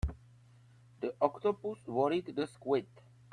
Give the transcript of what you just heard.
The octopus worried the squid.